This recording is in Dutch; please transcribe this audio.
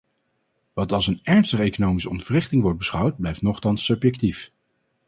Wat als een ernstige economische ontwrichting wordt beschouwd blijft nochtans subjectief.